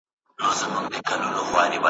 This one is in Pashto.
راته یاده مي کیسه د مولوي سي !.